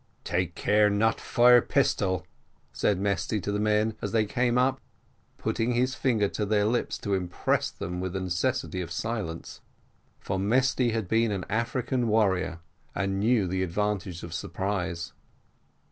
"Take care not fire pistol," said Mesty to the men as they came up, putting his finger to their lips to impress them with the necessity of silence, for Mesty had been an African warrior, and knew the advantage of surprise.